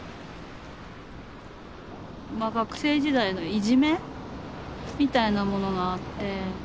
まあ学生時代のいじめみたいなものがあって。